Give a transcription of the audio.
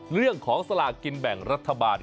เรื่องของสลากินแบ่งรัฐบาล